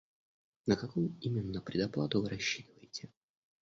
На какую именно предоплату вы рассчитываете?